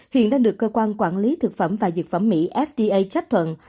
hiện đang được cơ quan quản lý thực phẩm và dược phẩm mỹ fda chấp thuận